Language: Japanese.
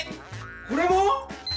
これも？